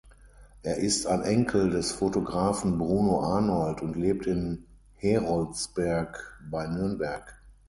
Er ist ein Enkel des Fotografen Bruno Arnold und lebt in Heroldsberg bei Nürnberg.